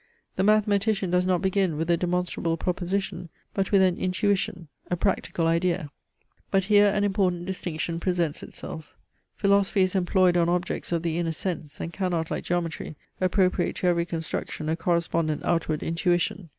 The mathematician does not begin with a demonstrable proposition, but with an intuition, a practical idea. But here an important distinction presents itself. Philosophy is employed on objects of the inner SENSE, and cannot, like geometry, appropriate to every construction a correspondent outward intuition.